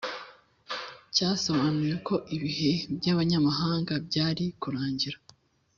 Cyasobanuye ko ibihe by abanyamahanga byari kurangira